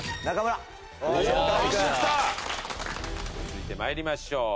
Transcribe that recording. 続いて参りましょう。